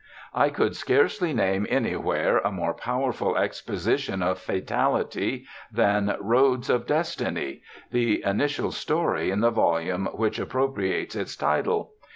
I could scarcely name anywhere a more powerful exposition of fatality than "Roads of Destiny," the initial story in the volume which appropriates its title.